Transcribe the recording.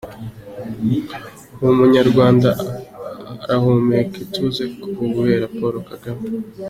Ubu Umunyarwanda arahumeka ituze kubera Paul Kagame .